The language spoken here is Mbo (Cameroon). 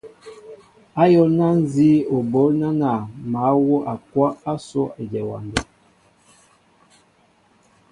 Ayólná nzí o ɓoól nánȃ mă wóʼakwáʼ ásó éjem ewándέ.